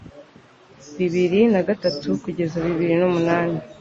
bibiri nagatatu kugeza bibiri numunani